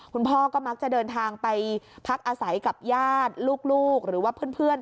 คุณพ่อก็มักจะเดินทางไปพักอาศัยกับญาติลูกหรือว่าเพื่อน